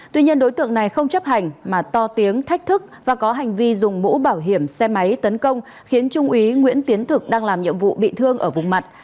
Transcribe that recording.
tuy nhiên đối tượng này không chấp hành mà to tiếng thách thức và có hành vi dùng mũ bảo hiểm xe máy tấn công khiến trung úy nguyễn tiến thực đang làm nhiệm vụ bị thương ở vùng mặt